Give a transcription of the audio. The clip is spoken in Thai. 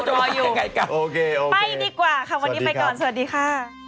ไปดีกว่าค่ะวันนี้ไปก่อนสวัสดีค่ะ